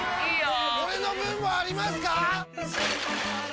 俺の分もありますか！？